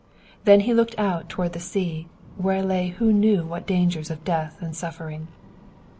Then he looked out toward the sea, where lay who knew what dangers of death and suffering.